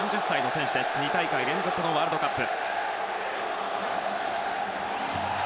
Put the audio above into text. ２大会連続のワールドカップ。